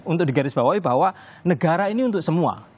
untuk digarisbawahi bahwa negara ini untuk semua